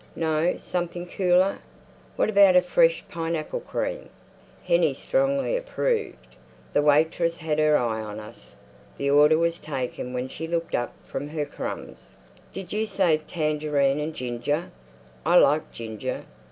No, something cooler. What about a fresh pineapple cream?" Hennie strongly approved. The waitress had her eye on us. The order was taken when she looked up from her crumbs. "Did you say tangerine and ginger? I like ginger.